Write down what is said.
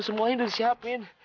semuanya udah disiapin